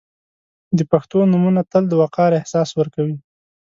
• د پښتو نومونه تل د وقار احساس ورکوي.